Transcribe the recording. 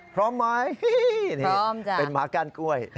พร้อมไหมนี่พร้อมจะเป็นหมาก้านกล้วย